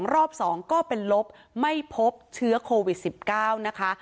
รอบ๒ก็เป็นลบไม่พบเชื้อโควิด๑๙นะคะ